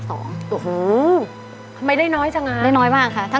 โอ้โหไม่ได้น้อยจังอ่ะได้น้อยมากค่ะ